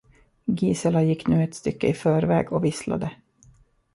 Gisela gick nu ett stycke i förväg och visslade.